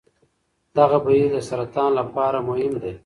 دغه بهیر د سرطان لپاره مهم دی.